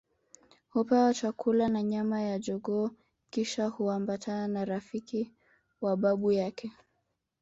Hupewa chakula na nyama ya jogoo kisha huambatana na rafiki wa babu yake